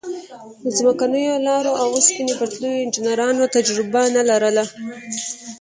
د ځمکنیو لارو او اوسپنې پټلیو انجنیرانو تجربه نه لرله.